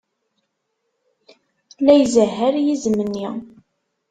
La izehher yizem-nni.